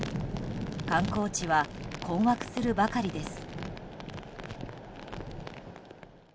観光地は困惑するばかりです。